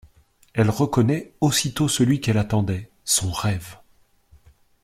Elle reconnaît aussitôt celui qu'elle attendait, son rêve.